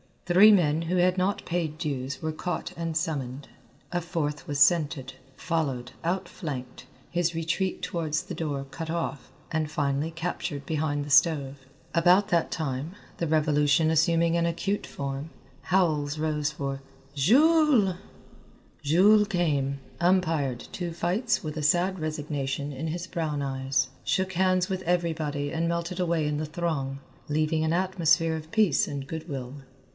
Three men who had not paid dues were caught and summoned. A fourth was scented, followed, outflanked, his retreat towards the door cut off, and finally captured behind the stove. About that time, the revolution assuming an acute form, howls rose for "Jules!" Jules came, umpired two fights with a sad resignation in his big brown eyes, shook hands with everybody and melted away in the throng, leaving an atmosphere of peace and good will.